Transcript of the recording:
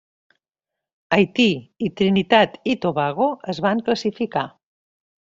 Haití i Trinitat i Tobago es van classificar.